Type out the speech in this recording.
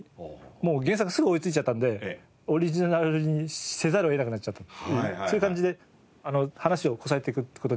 もう原作にすぐ追いついちゃったんでオリジナルにせざるを得なくなっちゃったっていうそういう感じで話をこさえていくって事になりました。